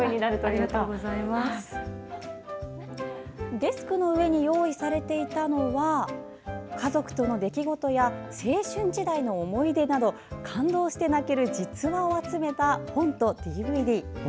デスクの上に用意されていたのは家族との出来事や青春時代の思い出など感動して泣ける実話を集めた本とＤＶＤ。